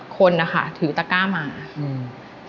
คนนะคะถือตะก้ามาอืม